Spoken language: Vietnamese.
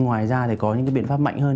ngoài ra thì có những cái biện pháp mạnh hơn